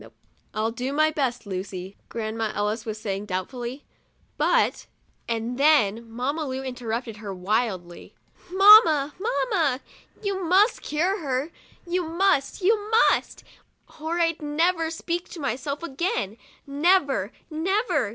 " I'll do my best, Lucy," Grandma Ellis was saying, doubtfully, " but —" and then Mamma Lu interrupted her wildly : 1 Mamma ! Mamma ! You must cure her, you must, you must, or I'd never speak to myself again, never, never!